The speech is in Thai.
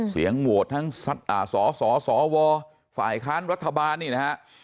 เสียงโหวดทั้งสรสวฝลภายคารรัฐบาล